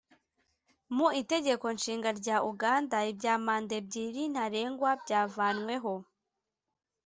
Mu Itegeko nshinga rya Uganda ibya manda ebyiri ntarengwa byavanyweho